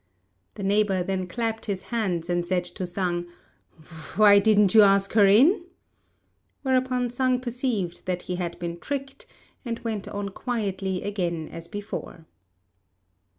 The neighbour then clapped his hands, and said to Sang, "Why didn't you ask her in?" Whereupon Sang perceived that he had been tricked, and went on quietly again as before.